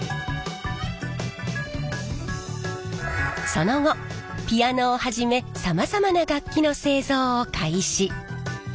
その後ピアノをはじめさまざまな楽器の製造を開始。